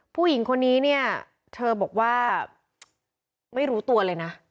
ผู้หญิงคนนี้เนี่ยเธอบอกว่าไม่รู้ตัวเลยนะ